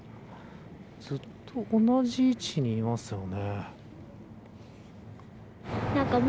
ずっと同じ位置にいますよね。